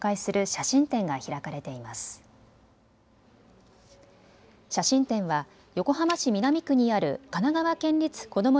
写真展は横浜市南区にある神奈川県立こども